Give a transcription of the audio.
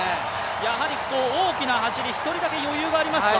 やはり大きな走り１人だけ余裕がありますか？